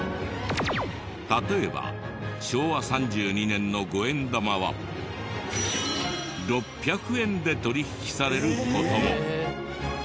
例えば昭和３２年の５円玉は６００円で取引される事も。